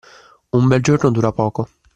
Un bel gioco dura poco.